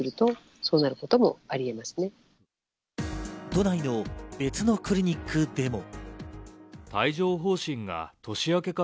都内の別のクリニックでも。